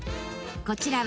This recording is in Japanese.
こちらは、